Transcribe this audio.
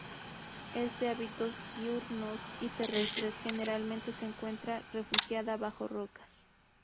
Es de hábitos diurnos y terrestres, generalmente se encuentra refugiada bajo rocas.